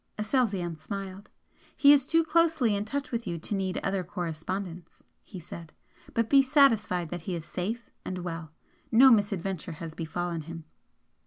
Aselzion smiled. "He is too closely in touch with you to need other correspondence," he said "But be satisfied that he is safe and well. No misadventure has befallen him."